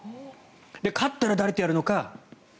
勝ったら誰とやるのか。